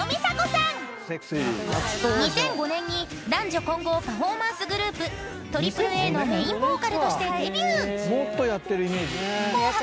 ［２００５年に男女混合パフォーマンスグループＡＡＡのメインボーカルとしてデビュー］